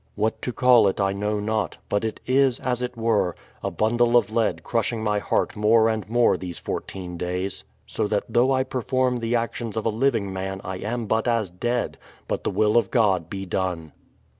What to call it I know not ; but it is, as it were, a bundle of lead crushing my heart more and more these fourteen days, so that though I perform the actions of a living man I am but as dead; but the will of God be done.